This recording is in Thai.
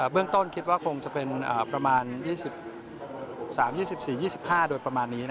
เรื่องต้นคิดว่าคงจะเป็นประมาณ๒๓๒๔๒๕โดยประมาณนี้